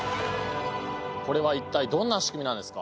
これは一体どんな仕組みなんですか？